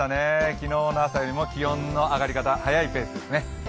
昨日の朝よりも気温の上がり方早いペースですね。